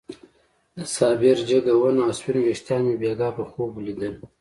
د صابر جګه ونه او سپين ويښتان مې بېګاه په خوب ليدل.